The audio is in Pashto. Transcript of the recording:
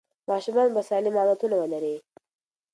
ماشومان به سالم عادتونه ولري.